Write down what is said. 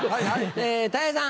たい平さん。